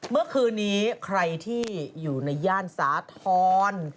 เมื่อคืนนี้ใครที่อยู่ในย่านสาธรณ์